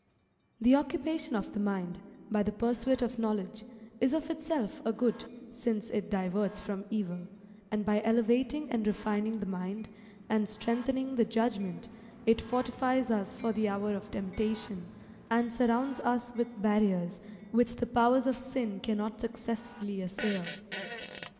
The occupation of the mind, by the pursuit of knowledge, is of itself a good, since it diverts from evil, and by elevating and refining the mind, and strengthening the judgment, it fortifies us for the hour of temptation, and surrounds us with barriers which the powers of sin cannot successfully assail.